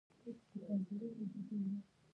په ټول افغانستان کې د بامیان په اړه زده کړه کېږي.